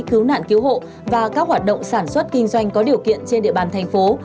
cứu nạn cứu hộ và các hoạt động sản xuất kinh doanh có điều kiện trên địa bàn thành phố